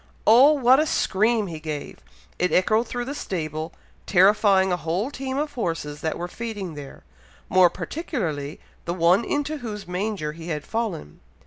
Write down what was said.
Oh! what a scream he gave! it echoed through the stable, terrifying a whole team of horses that were feeding there, more particularly the one into whose manger he had fallen.